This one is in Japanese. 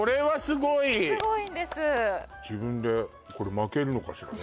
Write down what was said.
すごいんです自分でこれ巻けるのかしらね？